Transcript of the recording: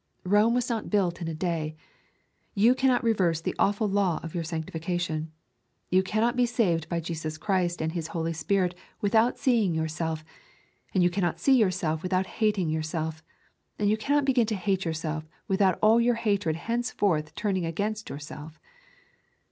Rome was not built in a day. You cannot reverse the awful law of your sanctification. You cannot be saved by Jesus Christ and His Holy Spirit without seeing yourself, and you cannot see yourself without hating yourself, and you cannot begin to hate yourself without all your hatred henceforth turning against yourself.